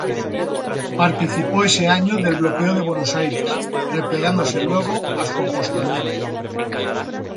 Participó ese año del bloqueo de Buenos Aires, replegándose luego a su apostadero.